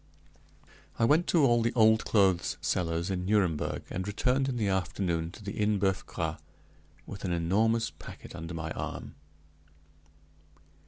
I went to all the old clothes sellers in Nuremberg, and returned in the afternoon to the Inn Boeuf Gras, with an enormous packet under my arm.